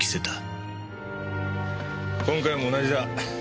今回も同じだ。